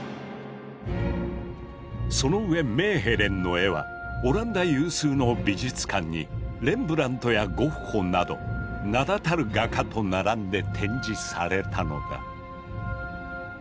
その上メーヘレンの絵はオランダ有数の美術館にレンブラントやゴッホなど名だたる画家と並んで展示されたのだ。